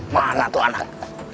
mana tuh anak